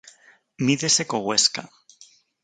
Mídese co Huesca.